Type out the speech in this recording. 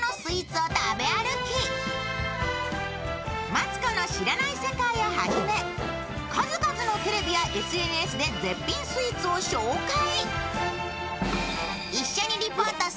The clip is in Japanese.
「マツコの知らない世界」をはじめ数々のテレビやＳＮＳで絶品スイーツを紹介。